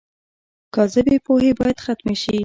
کاذبې پوهې باید ختمې شي.